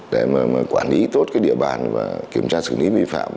để mà quản lý tốt cái địa bàn và kiểm tra xử lý vi phạm